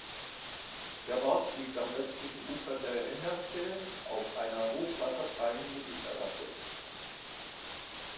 Der Ort liegt am östlichen Ufer der Innerste auf einer hochwasserfreien Mittelterrasse.